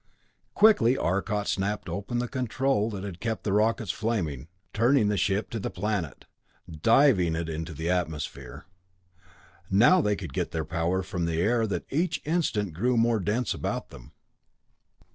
Quickly Arcot snapped open the control that had kept the rockets flaming, turning the ship to the planet driving it into the atmosphere. Now they could get their power from the air that each instant grew more dense about them.